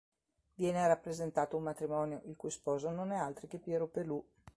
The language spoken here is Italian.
Viene rappresentato un matrimonio, il cui sposo non è altri che Piero Pelù.